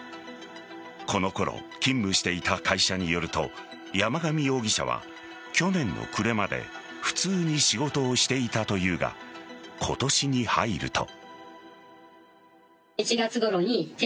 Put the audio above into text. この頃勤務していた会社によると山上容疑者は去年の暮れまで普通に仕事をしていたというが今年に入ると。